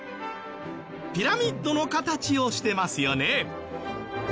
ピラミッドの形をしてますよね。